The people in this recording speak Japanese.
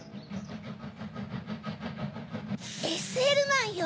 ＳＬマンよ。